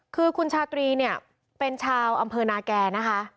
คือคุณชาตรีเนี่ยเป็นชาวอำเภอนาแก่นะคะ